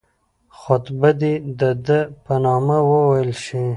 خطبه دي د ده په نامه وویل شي.